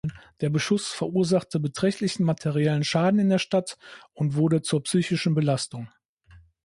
Der Beschuss verursachte beträchtlichen materiellen Schaden in der Stadt und wurde zur psychischen Belastung.